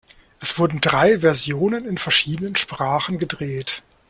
Es wurden drei Versionen in verschiedenen Sprachen gedreht.